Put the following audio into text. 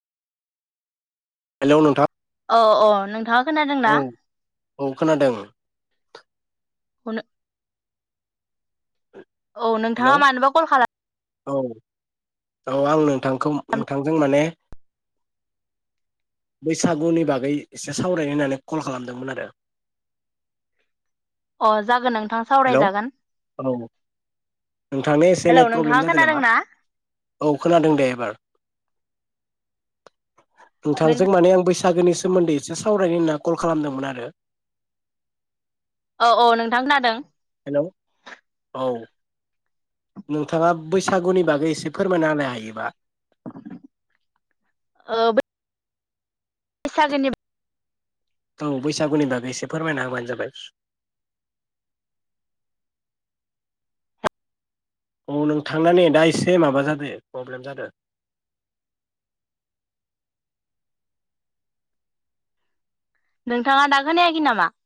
Hello नोंथांङां अ अ नोंथां खोनादोंना औ खोनादों [unintelligible] औ हेलौ नोंथांङा मानोबा कल खालाम औ औ आं नोंथांखौ नोंथांजों माने बैसागुनि बागै एसे सावरायनो होननानै कल खालामदोंमोन आरो अ जागोन आं हेल औ नोंथांनि एसे हेलौ नेट प्रब्लेम नोंथाङा जादों नामा? खोनादोंना औ खोनादों दे एबार नोंथांजों नोंथां माने आं बैस बैसागोनि सोमोन्दै एसे सावरायनो होनना कल खालामदोंमोन आरो औ औ नोंथां खोनादों हेलौ औ नोंथांङा बैसागुनि बागै एसे फोरमायना हायोबा ओ बो [unintelligible] गोननिब औ बैसागुनि बागै एसे फोरमायना होबानो जाबाय। अ नोंथांना नेटआ एसे माबा जादो प्रब्लेम जादो। नोंथाङा दाखोनायाखै नामा?